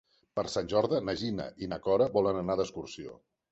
Per Sant Jordi na Gina i na Cora volen anar d'excursió.